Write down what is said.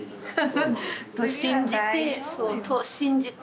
信じてそう信じて。